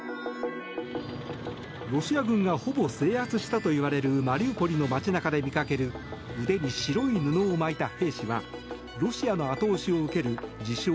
ロシア軍がほぼ制圧したといわれるマリウポリの街中で見かける腕に白い布を巻いた兵士がロシアの後押しを受ける自称